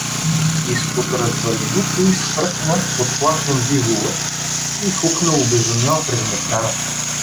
Изпод развалините изхвръкна подплашен биволът и хукна обезумял през мегдана.